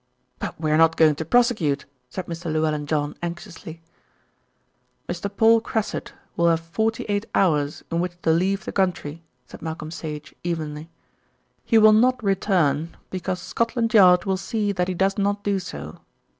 "But we are not going to prosecute," said Mr. Llewellyn John anxiously. "Mr. Paul Cressit will have forty eight hours in which to leave the country," said Malcolm Sage evenly. "He will not return, because Scotland Yard will see that he does not do so.